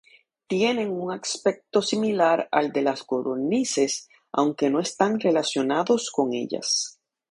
Tienen un aspecto similar al de las codornices, aunque no están relacionados con ellas.